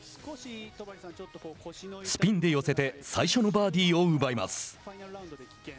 スピンで寄せて最初のバーディーを奪います。